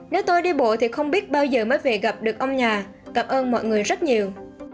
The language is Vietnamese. nếu tôi đi bộ thì không biết bao giờ mới về gặp được ông nhà cảm ơn mọi người rất nhiều